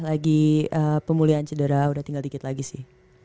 lagi pemulihan cedera udah tinggal dikit lagi sih